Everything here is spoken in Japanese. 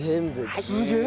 すげえ！